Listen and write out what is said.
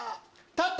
立った！